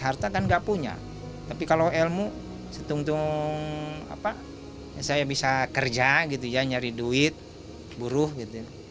harta kan nggak punya tapi kalau ilmu setung tung apa saya bisa kerja gitu ya nyari duit buruh gitu